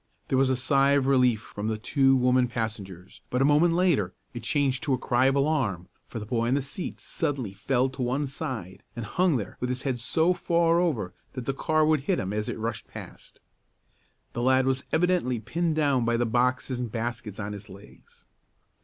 There was a sigh of relief from the two women passengers, but a moment later it changed to a cry of alarm, for the boy on the seat suddenly fell to one side, and hung there with his head so far over that the car would hit him as it rushed past. The lad was evidently pinned down by the boxes and baskets on his legs.